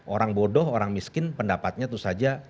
orang bodoh orang miskin pendapatnya itu saja